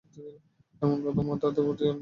এমন কথা মাথাতেও আনবে না।